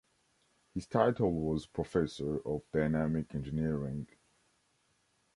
His title was Professor of Dynamic Engineering.